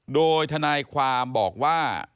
โดยทนายความบอกว่า